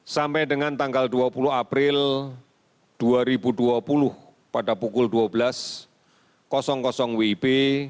sampai dengan tanggal dua puluh april dua ribu dua puluh pada pukul dua belas wib